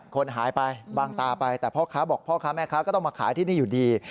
คนหายไปบางตาไปแต่พ่อค้าบอกพ่อค้าแม่ค้าก็ต้องมาขายที่นี่อยู่ดี